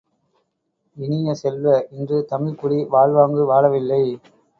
இனிய செல்வ, இன்று தமிழ்க்குடி வாழ்வாங்கு வாழவில்லை!